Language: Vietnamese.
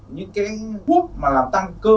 những cái hút mà làm tăng cơ